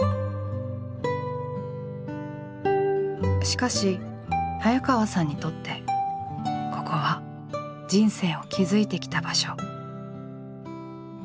しかし早川さんにとってここは人生を築いてきた場所。